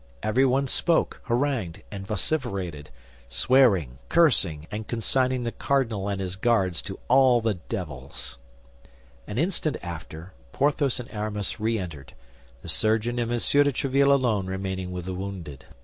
Everyone spoke, harangued, and vociferated, swearing, cursing, and consigning the cardinal and his Guards to all the devils. An instant after, Porthos and Aramis re entered, the surgeon and M. de Tréville alone remaining with the wounded.